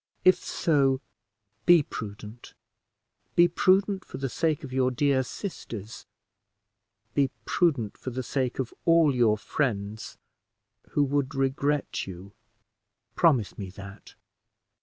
If so, be prudent be prudent for the sake of your dear sisters be prudent for the sake of all your friends, who would regret you promise me that."